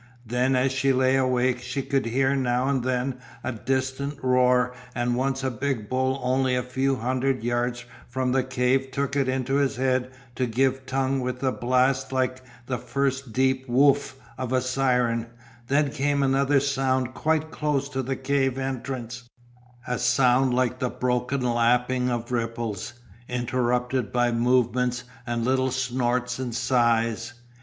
Then as she lay awake she could hear now and then a distant roar and once a big bull only a few hundred yards from the cave took it into his head to give tongue with a blast like the first deep "woof" of a siren, then came another sound quite close to the cave entrance, a sound like the broken lapping of ripples, interrupted by movements and little snorts and sighs.